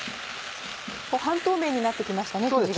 半透明になってきましたね生地が。